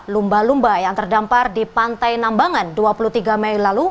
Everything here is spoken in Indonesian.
lumba lumba yang terdampar di pantai nambangan dua puluh tiga mei lalu